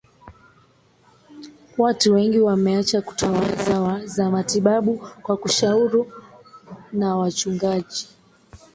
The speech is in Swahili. watu wengi wameacha kutumia dawa za matibabu kwa kushauru na wachungaji